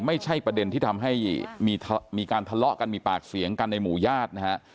ไม่ใช่ประเด็นที่ทำให้มีการทะเลาะกันมีปากเสียงกันในหมู่ญาตินะฮะ